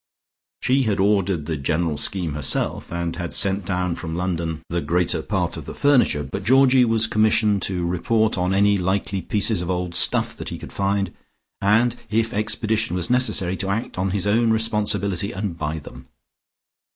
She had ordered the general scheme herself and had sent down from London the greater part of the furniture, but Georgie was commissioned to report on any likely pieces of old stuff that he could find, and if expedition was necessary to act on his own responsibility and buy them.